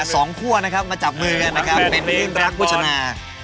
สองครัวมาจับมือนะครับเป็นฮึ้มรักผู้ชนา